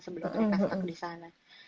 sebelum mereka setak di sana